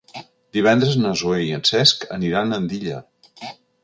Divendres na Zoè i en Cesc aniran a Andilla.